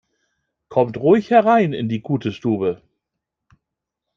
Kommt ruhig herein in die gute Stube!